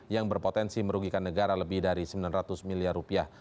yang berpotensi merugikan negara lebih dari sembilan ratus miliar rupiah